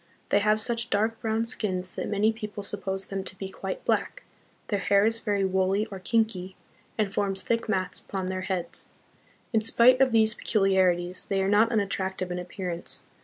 They have such dark brown skins that many people suppose them to be quite black ; their hair is very woolly or kinky, and forms thick mats upon their heads. In spite of these peculiarities, they are not unattractive in appearance.